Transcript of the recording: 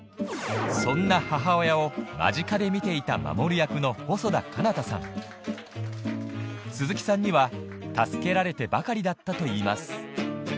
・そんな母親を間近で見ていた守役の細田佳央太さん鈴木さんには助けられてばかりだったといいます